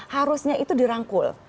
harusnya itu dirangkul